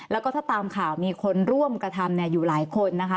แล้วก็ถ้าตามข่าวมีคนร่วมกระทำอยู่หลายคนนะคะ